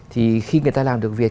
thì khi người ta làm được việc